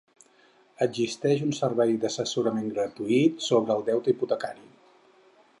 Existeix un servei d'assessorament gratuït sobre el deute hipotecari: